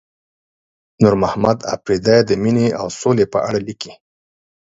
نورمحمد اپريدي د مينې او سولې په اړه ليکلي.